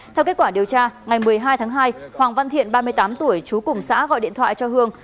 theo kết quả điều tra ngày một mươi hai tháng hai hoàng văn thiện ba mươi tám tuổi trú cùng xã gọi điện thoại cho hương